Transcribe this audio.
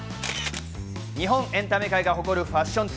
日本エンタメ界が誇るファッション通。